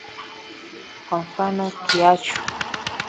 Kwa mfano kiachu